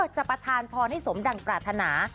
ประธานพรให้สมดังปรารถนา